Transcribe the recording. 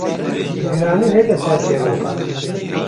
Giranî nede ser kevokan